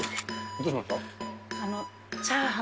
どうしました？